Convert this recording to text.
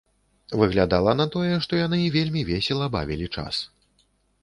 Выглядала на тое, што яны вельмі весела бавілі час.